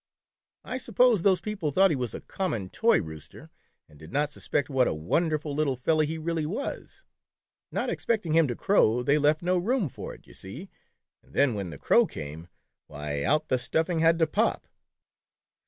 I suppose those people thought he was a common toy rooster, and did not suspect what a wonderful little fellow he really was. Not expecting him to crow, they left no room for it, you see, and then when the crow came, why out the stuffing had to pop